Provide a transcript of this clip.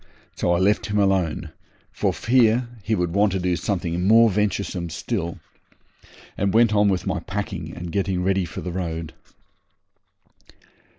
So I left him alone, for fear he should want to do something more venturesome still, and went on with my packing and getting ready for the road.